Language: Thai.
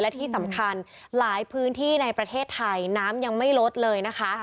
และที่สำคัญหลายพื้นที่ในประเทศไทยน้ำยังไม่ลดเลยนะคะ